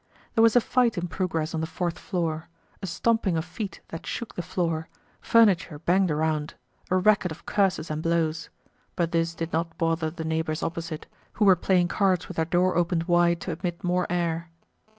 There was a fight in progress on the fourth floor: a stomping of feet that shook the floor, furniture banged around, a racket of curses and blows; but this did not bother the neighbors opposite, who were playing cards with their door opened wide to admit more air.